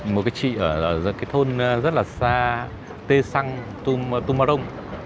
một cái chị ở cái thôn rất là xa tê xăng tumarung